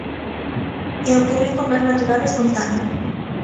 É o público máis natural e espontáneo.